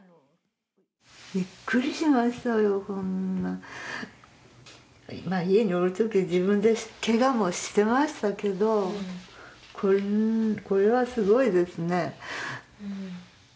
びっくりしましたよ、こんな家におるときは自分でけがもしてましたけど、これはすごいですね。